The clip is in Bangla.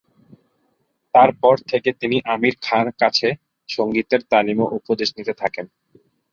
তার পর থেকে তিনি আমির খাঁর কাছে সঙ্গীতের তালিম ও উপদেশ নিতে থাকেন।